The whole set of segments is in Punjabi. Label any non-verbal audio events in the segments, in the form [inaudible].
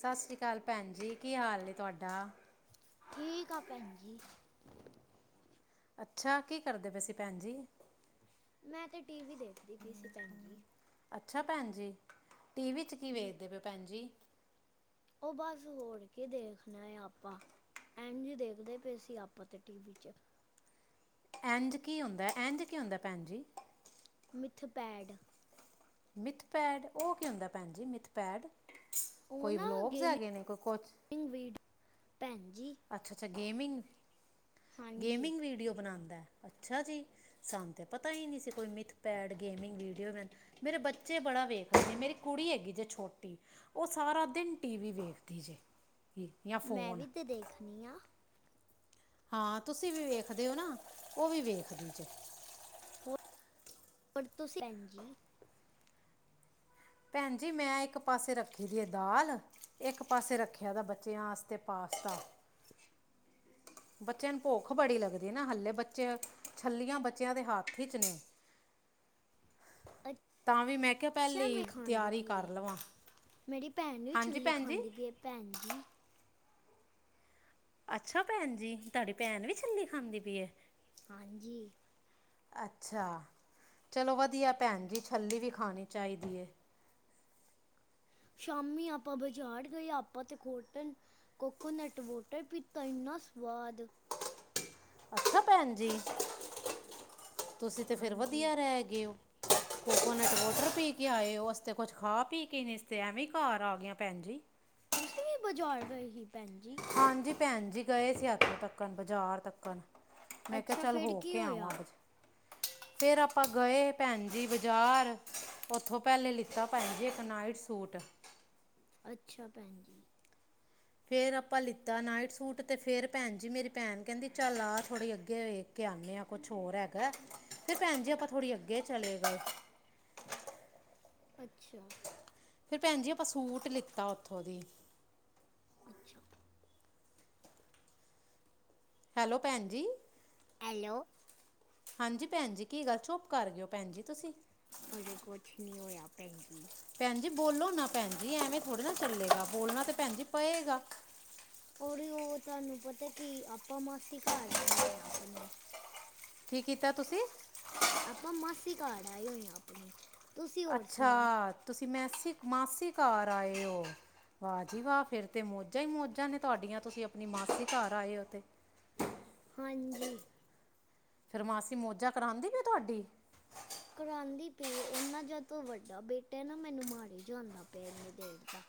ਸਤਿ ਸ਼੍ਰੀ ਅਕਾਲ ਭੈਣ ਜੀ, ਕੀ ਹਾਲ ਨੇ ਤੁਹਾਡਾ? ਠੀਕ ਆ, ਭੈਣ ਜੀ। ਅੱਛਾ, ਕੀ ਕਰਦੇ ਪਏਸੀ ਭੈਣ ਜੀ? ਮੈਂ ਤੇ ਟੀ ਵੀ ਦੇਖਦੀ ਪਈ ਸੀ, ਭੈਣ ਜੀ। ਅੱਛਾ ਭੈਣ ਜੀ, ਟੀਵੀ 'ਚ ਕੀ ਜੀ ਵੇਖਦੇ ਪਏ ਭੈਣ ਜੀ? ਉਹ ਬਸ, ਹੋਰ ਕੇ ਦੇਖਣਾ ਹੈ ਆਪਾਂ ਇੰਝ ਦੇਖਦੇ ਪਏ ਸੀ ਆਪਾਂ ਤੇ, ਟੀ ਵੀ 'ਚ। ਇੰਝ ਕੀ ਹੁੰਦਾ ਹੈ, ਇੰਝ ਕੀ ਹੁੰਦਾ ਭੈਣ ਜੀ? ਮਿੱਥ ਪੈਡ ਮਿਥ ਪੈਡ, ਉਹ ਕੀ ਹੁੰਦਾ ਭੈਣ ਜੀ ਮਿਥਪੈਡ, ਕੋਈ ਵਲੋਗਸ ਹੈਗੇ ਨੇ, ਕੋਈ ਕੁਛ? ਇਨ ਵੀਟ, ਭੈਣ ਜੀ। ਅੱਛਾ -ਅੱਛਾ ਗੇਮਿੰਗ, ਹਾਂਜੀ ਗੇਮਿੰਗ ਵੀਡੀਓ ਬਣਾਉਂਦਾ, ਅੱਛਾ ਜੀ। ਸਾੰਨ ਤੇ ਪਤਾ ਹੀ ਨਹੀਂ ਸੀ, ਕੋਈ ਮਿਥ ਪੈਡ ਗੇਮਿੰਗ ਵੀਡੀਓੈ ਮੇਰੇ ਬੱਚੇ ਬੜਾ ਵੇਖ ਰ ਨੇ, ਮੇਰੀ ਕੁੜੀ ਹੈਗੀ ਜੇ ਛੋਟੀ ਉਹ, ਸਾਰਾ ਦਿਨ ਟੀ ਵੀ ਵੇਖਦੀ ਜੇ ਜਾਂ ਮੈਂ ਫੋਨ। ਵੀ ਤੇ ਦੇਖਣੀ ਆ ਹਾਂ, ਤੁਸੀਂ ਵੀ ਵੇਖਦੇ ਹੋ ਨਾ, ਉਹ ਵੀ ਵੇਖਦੇ ਜੇ। ਪਰ ਤੁਸੀਂ, ਭੈਣ ਜੀ। ਭੈਣ ਜੀ, ਮੈਂ ਇੱਕ ਪਾਸੇ ਰੱਖੀ ਦੀ ਹੈ ਦਾਲ ਇੱਕ ਪਾਸੇ ਰੱਖੇ, ਬੱਚਿਆਂਸਤੇ ਦਾ ਪਾਸਤਾ ਬੱਚਿਆਂ ਨੂੰ ਭੁੱਖ ਬੜੀ ਲੱਗਦੀ ਨਾ, ਹਲੇੇ ਬੱਚੇ, ਛੱਲੀਆਂ ਬੱਚਿਆਂ ਦੇ ਹੱਥ 'ਚ ਨੇ। ਤਾਂ ਵੀ ਮੈਂ ਕਿਹਾ, ਪਹਿਲੇ ਅੱਛਾ ਈ ਮੈਂ ਖਾਂਦੀ ਤਿਆਰੀ ਪਈ ਕਰ ਏ ਲਵਾਂ। ਮੇਰੀ ਭੈਣ ਨੂੰ ਵੀ ਹਾਂਜੀ ਛਲੀ ਭੈਣ ਜੀ ਖਾਂਦੀ ਪਈ ਏ, ਭੈਣ ਜੀ। ਅੱਛਾ ਭੈਣ ਜੀ, ਤੁਹਾਡੀ ਭੈਣ ਵੀ ਛੱਲੀ ਖਾਂਦੀ ਪਈ ਹੈ। ਹਾਂਜੀ। ਅੱਛਾ, ਚਲੋ ਵਧੀਆ ਭੈਣ ਜੀ, ਛੱਲੀ ਵੀ ਖਾਣੀ ਚਾਹੀਦੀ ਹੈ। ਸ਼ਾਮੀ ਆਪਾਂ ਬਾਜ਼ਾਰ ਗਏ, ਆਪਾਂ ਤੇ ਕੋਟਨ ਕੋਕੋਨਟ ਵੋਟਰ ਪੀਤਾ, ਇੰਨਾ ਸਵਾਦ! ਅੱਛਾ ਭੈਣ ਜੀ, ਤੁਸੀਂ ਤੇ ਫਿਰ ਹਾਂਜੀ ਵਧੀਆ ਰਹਿ ਗਏ ਹੋ। ਉਹਨੇ ਵੋਟਰ ਪੀ ਕੇ ਆਏ ਔ, ਅਸੀ ਤੇ ਕੁੱਛ ਖਾ ਪੀ ਕੇ ਨੀ, ਇਸਤੇ ਐਵੇਂ ਘਰ ਆ ਗਏ ਭੈਣ ਜੀ। ਤੁਸੀਂ ਵੀ ਬਾਜ਼ਾਰ ਗਏ ਸੀ, ਭੈਣ ਜੀ? ਹਾਂਜੀ ਭੈਣ ਜੀ, ਗਏ ਸੀ ਇੱਥੋਂ ਤੱਕਨ, ਬਾਜ਼ਾਰ ਤੱਕਣ। ਮੈਂ ਕਿਹਾ ਅੱਛਾ ਚੱਲ ਫਿਰ ਹੋ ਕੀ ਕੇ ਹੋਇਆ ਆਵਾਂ ਕੁਛ। ਫਿਰ ਆਪਾਂ ਗਏ ਭੈਣ ਜੀ ਬਾਜ਼ਾਰ ਉਥੋਂ ਪਹਿਲੇ ਲਿਖ ਲਿਤਾ ਭੈਣ ਜੀ ਇੱਕ ਨਾਈਟ ਸੂਟ। ਅੱਛਾ ਭੈਣ ਜੀ। ਫੇਰ ਆਪਾਂ ਲਿੱਤਾ ਨਾਈਟ ਸੂਟ ਤੇ ਫਿਰ ਭੈਣ ਜੀ ਮੇਰੀ ਭੈਣ ਕਹਿੰਦੀ ਚੱਲ ਆ ਥੋੜ੍ਹੇ ਅੱਗੇ ਹੋਏ। ਕੇ ਆਂਦੇ ਆ ਕੁਛ ਹੋਰ ਹੈਗਾ ਤੇ ਭੈਣ ਜੀ ਆਪਾਂ ਥੋੜ੍ਹੀ ਅੱਗੇ ਚਲੇ ਗਏ। [inaudible] ਅੱਛਾ ਫਿਰ ਭੈਣ ਜੀ ਆਪਾਂ ਸੂਟ ਲਿੱਤਾ ਉੱਥੋਂ ਦੀ। ਅੱਛਾ ਹੈਲੋ ਭੈਣ ਜੀ। ਹੈਲੋ ਹਾਂਜੀ ਭੈਣ ਜੀ ਕੀ ਗੱਲ ਚੁੱਪ ਕਰ ਗਏ ਓ। ਭੈਣ ਜੀ ਤੁਸੀਂ ਅਜੇ ਕੁਛ ਨਹੀਂ ਹੋਇਆ ਭੈਣ ਜੀ। ਭੈਣ ਜੀ ਬੋਲੋ ਨਾ ਭੈਣ ਜੀ ਐਵੇਂ ਥੋੜ੍ਹੇ ਨਾ ਚੱਲੇਗਾ। ਬੋਲਣਾ ਤਾਂ ਭੈਣ ਜੀ ਪਏਗਾ। ਔਰਿਓ ਉਹ ਤੁਹਾਨੂੰ ਪਤਾ ਕਿ ਆਪਾਂ ਮਾਸੀ ਘਰ ਆਏ ਹੋਏ ਆਪਣੇ। ਕੀ ਕੀਤਾ ਤੁਸੀਂ। ਆਪਾਂ ਮਾਸੀ ੜ ਘਰ ਆਏ ਹੋਏ ਆ ਆਪਣੀ। ਤੁਸੀਂ ਹੋਰ ਅੱਛਾ ਸੁਣਾਓ ਤੁਸੀਂ ਮੈਸੀ ਮਾਸੀ ਘਰ ਆਏ ਹੋ। ਵਾਹ ਜੀ ਵਾਹ ਫਿਰ ਤੇ ਮੌਜਾਂ ਹੀ ਮੌਜਾਂ ਨੇ ਤੁਹਾਡੀਆਂ ਤੁਸੀਂ ਆਪਣੀ ਮਾਸੀ ਘਰ ਆਏ ਹੋ ਤੇ। ਹਾਂਜੀ ਫੇਰ ਮਾਸੀ ਮੌਜਾਂ ਕਰਾਉਂਦੀ ਪਈ ਤੁਹਾਡੀ। ਕਰਾਉਂਦੀ ਪਈ ਉਹਨਾ ਜਦ ਵੱਡਾ ਬੇਟਾ ਨਾ ਮੈਨੂੰ ਮਾਰੀ ਜਾਂਦਾ ਪਿਆ ਇੰਨੀ ਦੇਰ ਦਾ।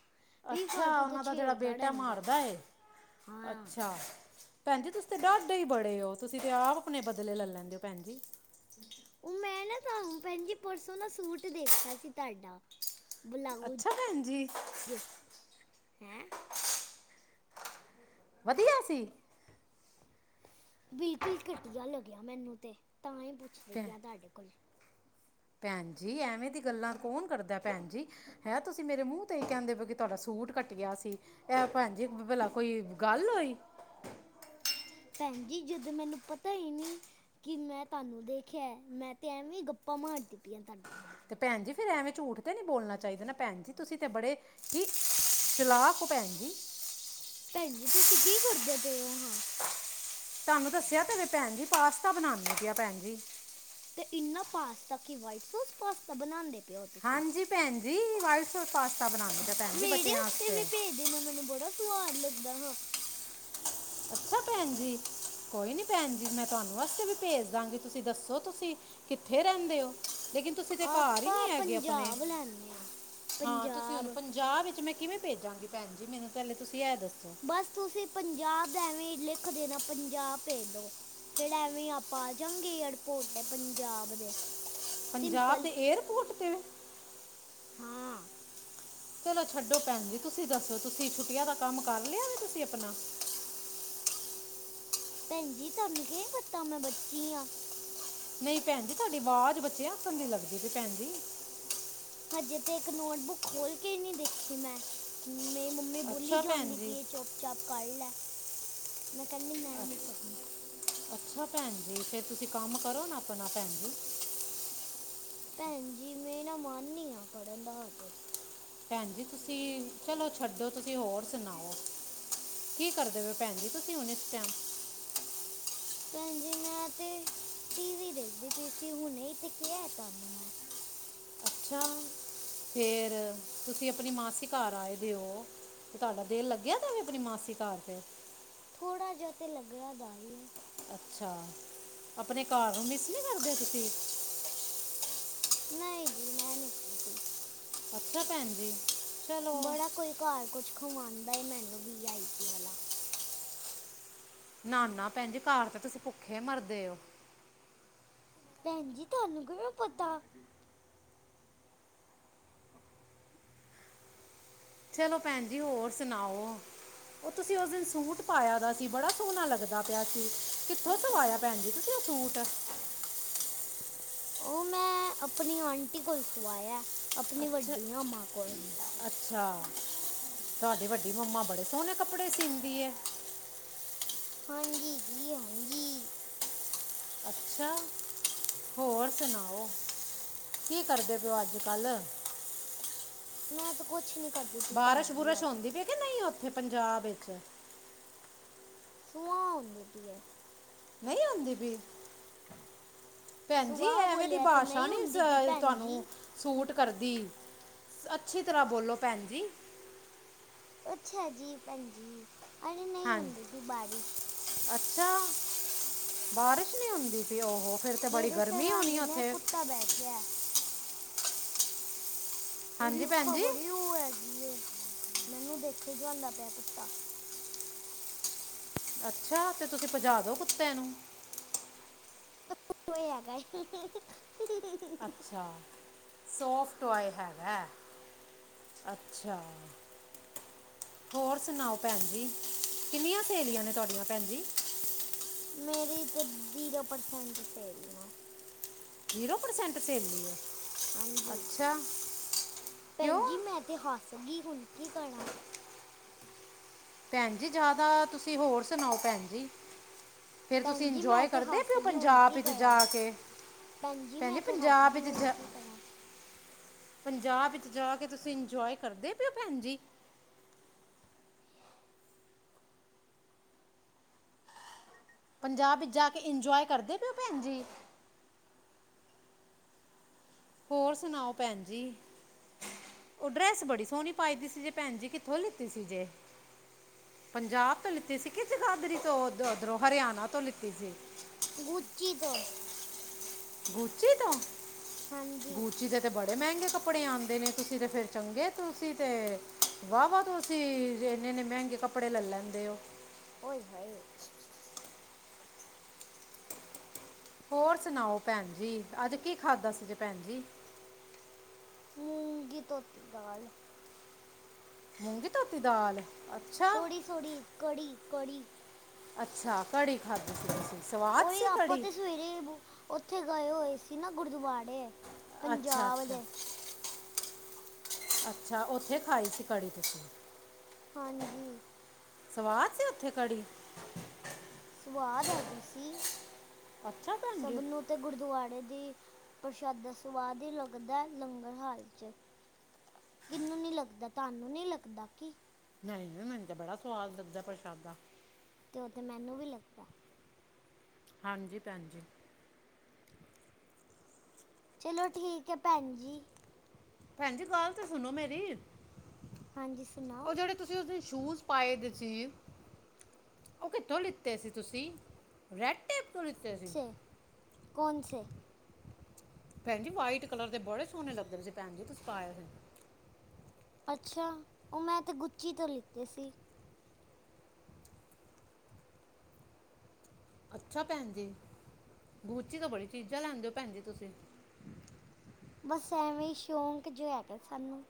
ਵੀ ਅੱਛਾ ਫਾਲਤੂ ਤਾਂ ਉਹਨਾਂ ਦਾ ਜਿਹੜਾ ਛੇੜਦਾ ਬੇਟਾ ਰਹਿੰਦਾ ਮਾਰਦਾ ਐ। ਹਾਂ ਅੱਛਾ। ਭੈਣ ਜੀ ਤੁਸੀ ਤੇ ਡਾਡੇ ਹੀ ਬੜੇ ਹੋ ਤੁਸੀਂ ਤੇ ਆਪਣੇ ਬਦਲੇ ਲੈ ਲੈਂਦੇ ਭੈਣ ਜੀ। ਉਹ ਮੈਂ ਨਾ ਤੁਹਾਨੂੰ ਭੈਣ ਜੀ ਪਰਸੋਂ ਨਾ ਸੂਟ ਦੇਖਿਆ ਸੀ ਤਾਡਾ। ਬਲਾਊਜ ਅੱਛਾ ਭੈਣ ਜੀ ਹੈਂ। ਵਧੀਆ ਸੀ। ਬਿਲਕੁਲ ਘਟੀਆ ਲੱਗਿਆ ਮੈਨੂੰ ਤੇ, ਤਾਂ ਹੀ ਪੁੱਛਦੀ ਭੈ ਪਈ ਤੁਹਾਡੇ ਕੋਲ। ਭੈਣ ਜੀ ਐਵੇਂ ਦੀਆਂ ਗੱਲਾਂ ਕੌਣ ਕਰਦਾ ਭੈਣ ਜੀ। ਹੈਂ ਤੁਸੀਂ ਮੇਰੇ ਮੂੰਹ ਤੇ ਕਹਿੰਦੇ ਪਏ ਕਿ ਤੁਹਾਡਾ ਸੂਟ ਕੱਟੀਆ ਸੀ। ਐਹ ਭੈਣਜੀ ਭਲਾ ਕੋਈ ਗੱਲ ਹੋਈ। ਭੈਣ ਜੀ ਜਦੋਂ ਮੈਨੂੰ ਪਤਾ ਨੀ ਕਿ ਮੈਂ ਤੁਹਾਨੂੰ ਦੇਖਿਆ ਮੈਂ ਤਾਂ ਐਵੇਂ ਗੱਪਾਂ ਮਾਰਦੀ ਪਈਆਂ ਤਾਡੇ ਨਾਲ। ਤੇ ਭੈਣ ਜੀ ਫੇਰ ਐਵੇਂ ਝੂਠ ਤੇ ਨਹੀਂ ਬੋਲਣਾ ਚਾਹੀਦਾ ਨਾ ਭੈਣ ਜੀ ਤੁਸੀਂ ਤਾਂ ਬੜੇ ਕੀ, ਚਲਾਕ ਹੋ ਭੈਣ ਜੀ। ਭੈਣ ਜੀ ਤੁਸੀਂ ਕੀ ਕਰਦੇ ਪਏ ਹੋ ਹਾਂ। [inaudible] ਤੁਹਾਨੂੰ ਦੱਸਿਆ ਤੇ ਭੈਣ ਜੀ ਪਾਸਤਾ ਬਣਾਉਂਦੀ ਪਈ ਭੈਣ ਜੀ। ਤੇ ਇੰਨਾ ਪਾਸਤਾ ਕਿ ਵਾਈਟ ਸੋਸ ਪਾਸਤਾ ਬਣਾਉਂਦੇ। ਪਏ ਹੋ ਤੁਸੀਂ ਹਾਂਜੀ ਭੈਣ ਜੀ, ਵਾਈਟ ਸੋਸ ਪਾਸਤਾ ਬਣਾਉਨੇ ਮੇਰੇੇ ਆਸਤੇ ਵੀ ਭੇਜ ਦੇਣਾ। ਮੈਨੂੰ ਬੜਾ ਸਵਾਦ ਲੱਗਦਾ ਹਾਂ। [inaudible] ਅੱਛਾ ਭੈਣ ਜੀ! ਕੋਈ ਨੀ ਭੈਣ ਜੀ, ਮੈਂ ਤੁਹਾਨੂੰ ਵਾਸਤੇ ਵੀ ਭੇਜ ਦਾਂਗੀ ਤੁਸੀਂ ਦੱਸੋ ਸਹੀ ਕਿੱਥੇ ਰਹਿੰਦੇ ਓ। ਲੇਕਿਨ ਤੁਸੀਂ ਤੇ ਘਰ ਹੀ ਆਪਾਂ ਨਹੀਂ ਹੈਗੇ ਆਪਣੇ ਪੰਜਾਬ ਲੈਣੇ ਆ ਹਾਂ ਤੁਸੀਂ ਉਹਨੂੰ ਪੰਜਾਬ ਪੰਜਾਬ ਵਿੱਚ, ਮੈਂ ਕਿਵੇਂ ਭੇਜਾਂਗੀ ਭੈਣ ਜੀ ਮੈਨੂੰ ਪੈਲੇ ਤੁਸੀਂ ਇਹ ਦੱਸੋ। ਬਸ ਤੁਸੀਂ ਪੰਜਾਬ ਦਾ ਐਵੇਂ ਲਿਖ ਦੇਣਾ। ਪੰਜਾਬ ਭੇਜ ਦੋ ਫੇਿਰ ਐਵੇਂ ਆਪਾਂ ਆਜਾਗੇ। ਏਅਰਪੋਰਟ ਤੇ ਪੰਜਾਬ ਦੇ। ਪੰਜਾਬ ਸਿੰਪਲ ਦੇ, ਏਅਰਪੋਰਟ ਤੇ, ਹਾਂ ਚਲੋ ਛੱਡੋ ਭੈਣ ਜੀ ਤੁਸੀਂ ਦੱਸੋ, ਤੁਸੀਂ ਛੁੱਟੀਆਂ ਦਾ ਕੰਮ ਕਰ ਲਿਆ ਵੇ ਤੁਸੀਂ ਆਪਣਾ। [unintelligible] ਭੈਣ ਜੀ, ਤੁਹਾਨੂੰ ਕਿਵੇਂ ਪਤਾ ਮੈਂ ਬੱਚੀ ਆ। ਨਹੀਂ ਭੈਣ ਜੀ, ਤੁਹਾਡੀ ਆਵਾਜ਼ ਬੱਚੇਆ ਐਖਣ ਦੀ ਲੱਗਦੀ ਪਈ, ਭੈਣ ਜੀ ਹਜੇ ਤੇ ਇੱਕ ਨੋਟਬੁੱਕ ਖੋਲ ਕੇ ਈ ਨਹੀ, ਦੇਖੀ ਮੈਂ ਮੇਰੀ ਮੰਮੀ ਬੋਲੀ ਅੱਛਾ ਭੈਣ ਜਾਂਦੀ ਜੀ ਪੀ ਏ, ਚੁੱਪ ਚਾਪ ਕਰ ਲੈ। ਮੈਂ ਕਹਿੰਦੀ, ਮੈਂ ਨਹੀਂ ਕਰਨਾ। ਅੱਛਾ ਭੈਣ ਜੀ, ਫੇਰ ਤੁਸੀਂ ਕੰਮ ਕਰੋ ਨਾ ਆਪਣਾ ਭੈਣ ਜੀ। [unintelligible] ਭੈਣ ਜੀ, ਮੈਂਰਾ ਮਨ ਨਹੀ ਆ, ਕਰਨ ਦਾ ਹਜੇ। ਭੈਣ ਜੀ ਤੁਸੀਂ, ਚਲੋ ਛੱਡੋ, ਤੁਸੀਂ ਹੋਰ ਸੁਣਾਓ। ਕੀ ਕਰਦੇ ਹੋ। ਭੈਣ ਜੀ, ਤੁਸੀਂ ਹੁਣ ਇਸ ਟੈਮ। [unintelligible] ਭੈਣ ਜੀ ਮੈਂ ਤਾਂ, ਟੀ ਵੀ ਦੇਖਦੀ ਪਈ ਸੀ, ਹੁਣੇ ਇਹ ਤਾਂ ਕੇਆ ਹੈ ਤੁਹਾਨੂੰ ਮੈਂ ਅੱਛਾ ਫੇਰ ਤੁਸੀਂ ਆਪਣੀ ਮਾਸੀ ਘਰ ਆਏ ਦਿਓ। ਤੇ ਤਾਡਾ ਦਿਲ ਲੱਗਿਆ ਦਾਵੇ, ਆਪਣੀ ਮਾਸੀ ਘਰ ਤੇ। ਥੋੜ੍ਹਾ ਜਿਹਾ ਤਾਂ, ਲੱਗਿਆ ਦਾ ਹੀ ਹੈ। ਅੱਛਾ ਆਪਣੇ ਘਾਰ ਨੂੰ ਮਿਸ ਨਹੀ ਕਰਦੇ ਤੁਸੀਂ। ਹ [unintelligible] ਨਹੀਂ ਜੀ, ਮੈਂ ਨਹੀਂ ਕਰਦੀ। ਅੱਛਾ ਭੈਣ ਜੀ। ਚਲੋ ਬੜਾ ਕੋਈ ਘਰ ਕੁਝ ਖਵਾਂਦਾ ਏ, ਮੈਨੂੰ ਵੀ ਆਈ ਪੀ ਵਾਲਾ। [unintelligible] ਨਾ- ਨਾ ਭੈਣ ਜੀ, ਘਰ ਤੇ ਤੁਸੀਂ ਭੁੱਖੇ ਮਰਦੇ ਹੋ। ਭੈਣ ਜੀ, ਤੁਹਾਨੂੰ ਕਿਵੇਂ ਪਤਾ। ਚਲੋ ਭੈਣ ਜੀ। ਹੋਰ ਸੁਣਾਓ। ਉਹ ਤੁਸੀਂ ਉਸ ਦਿਨ ਸੂਟ ਪਾਇਆ ਦਾ ਸੀ, ਬੜਾ ਸੋਣਾ ਲੱਗਦਾ ਪਿਆ ਸੀ। ਕਿੱਥੋਂ ਸਵਾਇਆ। ਭੈਣ ਜੀ, ਤੁਸੀ ਓ ਸੂਟ [unintelligible] ਉਹ, ਮੈਂ ਆਪਣੀ ਆਂਟੀ ਕੋਲ ਸਵਾਇਆ। ਆਪਣੀ ਅੱਛਾ ਵੱਡੀ ਮਾਂ ਕੋਲ ਅੱਛਾ ਤੁਹਾਡੀ ਵੱਡੀ ਮੰਮਾ, ਬੜੇ ਸੋਣੇ ਕੱਪੜੇ ਸੀਂਦੀ ਹੈ। [unintelligible] ਹਾਂਜੀ ਜੀ, ਹਾਂਜੀ। [unintelligible] ਅੱਛਾ ਹੋਰ ਸੁਣਾਓ, ਕੀ ਕਰਦੇ ਪਿਓ ਅੱਜ-ਕੱਲ੍ਹ [unintelligible] ਮੈਂ ਤਾਂ ਕੁਛ ਨਹੀਂ, ਕਰਦਾ ਬਾਰਿਸ਼- ਬੂਰਿਸ਼ ਹੁੰਦੀ ਪਈ ਕਿ ਨਹੀਂ, ਉੱਥੇ ਪੰਜਾਬ ਵਿੱਚ ਸੁਆਹਾਂ ਹੋਂਦੀ ਪਈ ਹੈ। ਨਹੀਂ ਆਉਂਦੀ ਪਈ। ਭੈਣਜੀ, ਸੁਆਹ ਐਵੇਂ ਦੀ ਬੋਲਿਆ ਤੇ ਬਾਸ਼ਾ ਨਹੀਂ ਨੀ ਹੁੰਦੀ ਪਈ ਅ ਭੈਣ ਤੁਹਾਨੂੰ ਜੀ ਸ਼ੂਟ ਕਰਦੀ, ਅੱਛੀ ਤਰ੍ਹਾਂ ਬੋਲੋ ਭੈਣ ਜੀ। ਅੱਛਾ ਜੀ ਭੈਣ ਜੀ, ਅਰੇ ਨਹੀਂ ਹਾਂ ਹੁੰਦੀ ਪ‌ਈ ਬਾਰਿਸ਼। ਅੱਛਾ, ਬਾਰਿਸ਼ ਨਹੀਂ ਹੁੰਦੀ ਪਈ ਓ ਹੋ ਫਿਰ ਫੇਰ ਤੇ ਬੜੀ ਮੇਰੇ ਗਰਮੀ ਹੋਣੀ ਸਰਹਾਂਦੀ ਨਾ ਇੱਕ ਉੱਥੇ? ਕੁੱਤਾ ਬੈਠਿਆ। ਖਤ [unintelligible] [inaudible] ਉਹਦੀ ਅੱਖਾਂ ਬੜੀ ਉਹ ਹੈਗੀ ਏ, ਮੈਨੂੰ ਦੇਖੀ ਜਾਂਦਾ ਪਿਆ ਕੁੱਤਾ। ਅੱਛਾ, ਤੇ ਤੁਸੀਂ ਭਜਾ ਦੋ ਕੁੱਤੇ ਨੂੰ। [unintelligible] ਅੱਛਾ। ਸੋਫਟ ਟੋਆਏ ਹੈਗਾ, ਅੱਛਾ। ਹੋਰ ਸੁਣਾਓ ਭੈਣ ਜੀ, ਕਿੰਨੀਆਂ ਸਹੇਲੀਆਂ ਨੇ ਤੁਹਾਡੀਆਂ ਭੈਣ ਜੀ? [unintelligible] [inaudible] ਮੇਰੀ ਤੇ ਜ਼ੀਰੋ ਪਰਸੈਂਟ ਸੇਲੀਆਂ। ਜ਼ੀਰੋ ਪ੍ਰਸੈਂਟ ਸਹੇਲੀ ਐ। ਹਾਂਜੀ, ਭੈਣ ਕਿਉਂ ਜੀ, ਮੈਂ ਤੇ ਹੱਸ ਗਈ ਹੁਣ ਕੀ ਕਰਾਂ। ਭੈਣ ਜੀ, ਜ਼ਿਆਦਾ ਤੁਸੀਂ ਹੋਰ ਸੁਣਾਓ ਭੈਣ ਜੀ? ਫੇਰ ਤੁਸੀਂ ਭੈਣ ਜੀ ਮੈਂ ਇੰਜੋਏ ਤੇ ਕਰਦੇ ਹੱਸ ਪਏ ਓ ਗਈ ਹੁਣ ਪੰਜਾਬ ਕੀ ਵਿੱਚ ਜਾ ਕਰਾਂ ਕੇ? ਭੈਣ ਜੀ, ਮੈਂ ਤੇ ਹੱਸ ਪੰਜਾਬ ਗਈ, ਵਿੱਚ ਹੁਣ ਜਾ- ਕੀ ਕਰਾਂ। ਪੰਜਾਬ ਵਿੱਚ ਜਾ ਕੇ ਤੁਸੀਂ ਇੰਜੋਏ ਕਰਦੇ ਪ‌ਏ ਓ ਭੈਣ ਜੀ? ਪੰਜਾਬ ਵਿੱਚ ਜਾ ਕੇ ਇੰਜੋਏ ਕਰਦੇ ਪਏ ਓ ਭੈਣ ਜੀ? ਹੋਰ ਸੁਣਾਓ ਭੈਣ ਜੀ? ਉਹ ਡਰੈਸ ਬੜੀ ਸੋਹਣੀ ਪਾਈ ਦੀ ਸੀ ਜੇ ਭੈਣ ਜੀ ਕਿੱਥੋਂ ਲਿੱਤੀ ਸੀ ਜੇ? ਪੰਜਾਬ ਤੋਂ ਲਿੱਤੀ ਸੀ ਕਿ ਜਗਾਦਰੀ ਤੋਂ, ਉਧਰੋਂ ਹਰਿਆਣਾ ਤੋਂ ਲਿੱਤੀ ਸੀ। ਗੁੱਚੀ ਤੋਂ। ਗੂਚੀ ਤੋਂ, ਹਾਂਜੀ ਗੂਚੀ ਦਾ ਤੇ ਬੜੇ ਮਹਿੰਗੇ ਕੱਪੜੇ ਆਂਦੇ ਨੇ, ਤੁਸੀਂ ਤੇ ਫੇਰ ਚੰਗੇ ਤੁਸੀਂ ਤੇ ਵਾਹ-ਵਾਹ ਤੇ ਐਨੇ ਐਨੇ ਮਹਿੰਗੇ ਕੱਪੜੇ ਲੈ ਲੈਂਦੇ ਓ। ਓਏ-ਹਾਏ। ਹੋਰ ਸੁਣਾਓ ਭੈਣ ਜੀ, ਅੱਜ ਕੀ ਖਾਧਾ ਸੀਗੇ ਭੈਣ ਜੀ? ਮੂੰਗੀ-ਧੋਤੀ ਦਾਲ। ਮੂੰਗੀ-ਧੋਤੀ ਦਾਲ? ਅੱਛਾ ਸੋੜੀ-ਸੋੜੀ, ਕੜੀ-ਕੜੀ। ਅੱਛਾ, ਕੜੀ ਖਾਧੀ ਸੀ ਤੁਸੀਂ, ਸਵਾਦ ਓਏ ਸੀ ਆਪਾਂ ਕੜੀ? ਤੇ ਸਵੇਰੇ ਬੁ ਉੱਥੇ ਗਏ ਹੋਏ ਸੀ ਨਾ ਗੁਰਦੁਆਰੇ। ਅੱਛਾ ਪੰਜਾਬ ਅੱਛਾ। ਦੇ ਅੱਛਾ, ਉਥੇ ਖਾਈ ਸੀ ਕੜੀ ਤੁਸੀਂ? ਹਾਂਜੀ। ਸਵਾਦ ਸੀ ਉਥੇ ਕੜੀ? ਸਵਾਦ ਹੈਗੀ ਸੀ, ਅੱਛਾ ਭੈਣ ਸਭ ਜੀ ਨੂੰ ਤੇ ਗੁਰਦੁਆਰੇ ਦੀ ਪ੍ਰਸ਼ਾਦਾ ਸਵਾਦ ਹੀ ਲੱਗਦਾ ਲੰਗਰ ਹਾਲ ਚ। ਕਿਹਨੂੰ ਨੀ ਲੱਗਦਾ, ਤੁਹਾਨੂੰ ਨੀ ਲੱਗਦਾ ਕੀ। ਨਹੀਂ, ਨਹੀਂ ਮੈਨੂੰ ਤੇ ਬੜਾ ਸਵਾਦ ਲੱਗਦਾ ਪ੍ਰਸ਼ਾਦਾ‌। ਤੇ ਉਹ ਤੈ ਮੈਨੂੰ ਵੀ ਲੱਗਦਾ। ਹਾਂਜੀ, ਭੈਣ ਜੀ। ਚਲੋ! ਠੀਕ ਹੈ, ਭੈਣ ਜੀ। ਭੈਣ ਜੀ, ਗੱਲ ਤੇ ਸੁਣੋ ਮੇਰੀ। ਹਾਂਜੀ, ਸੁਣਾਓ। ਉਹ ਜਿਹੜੇ ਤੁਸੀਂ, ਉਸ ਦਿਨ ਬੂਟ ਪਾਏ ਦੇ ਸੀ। ਉਹ ਕਿੱਥੋਂ ਲਿੱਤੇ ਸੀ, ਤੁਸੀਂ ਰੈਡ-ਟੇਪ ਤੋਂ ਲਿੱਤੇ ਸੀ। ਕੌਣਸੇ! ਭੈਣ ਜੀ ਸਫੇਦ ਰਗ ਦੇ ਬੜੇ ਸੋਹਣੇ ਲੱਗਦੇ ਸੀ। ਭੈਣ ਜੀ ਤੁਸੀਂ ਪਾਏ ਸੀ। ਅੱਛਾ! ਉਹ ਮੈਂ ਤਾਂ ਗੁੱਚੀ ਤੋਂ ਲਿੱਤੇ ਸੀ। ਅੱਛਾ! ਭੈਣ ਜੀ ਗੂਚੀ ਤੋ ਬੜੀ ਚੀਜ਼ਾਂ ਲੈਂਦੇ ਹੋ, ਭੈਣ ਜੀ ਤੁਸੀਂ। ਬਸ, ਐਵੇਂ ਹੀ ਸ਼ੌਕ ਜੋ ਹੈਗਾ ਸਾਨੂੰ।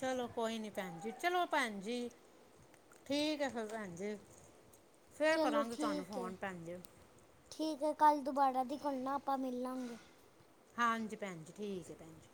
ਚਲੋ, ਕੋਈ ਨੀ ਭੈਣ ਜੀ ਚਲੋ, ਭੈਣ ਜੀ। ਠੀਕ ਹੈ, ਫਿਰ ਭੈਣ ਜੀ ਫੇਰ ਚਲੋ ਕਰਾਂਗੀ, ਤੁਹਾਨੂੰ ਠੀਕ ਹੈ ਫੋਨ ਭੈਣ ਜੀ। ਠੀਕ ਹੈ, ਕੱਲ੍ਹ ਦੁਬਾਰਾ ਦੀ ਕੋੁੱਲ ਨਾ ਆਪਾਂ ਮਿਲ ਲਵਾਂਗੇ। ਹਾਂਜੀ, ਭੈਣ ਜੀ ਠੀਕ ਹੈ ਭੈਣ ਜੀ।